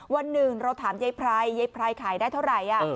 วันหนึ่งเราถามยายไพรยายไพรขายได้เท่าไหร่